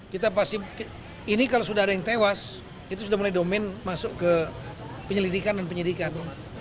kita pasti ini kalau sudah ada yang tewas itu sudah mulai domain masuk ke penyelidikan dan penyidikan